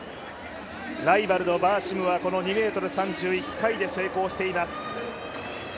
ライバルのバーシムは２ｍ３０、１回で成功しています。